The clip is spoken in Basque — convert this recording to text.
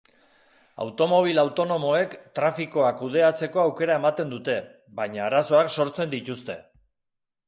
Automobil autonomoek trafikoa kudeatzeko aukera ematen dute, baina arazoak sortzen dituzte.